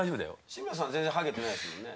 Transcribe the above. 志村さん全然ハゲてないですもんね